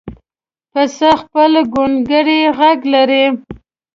پسه خپل ګونګړی غږ لري.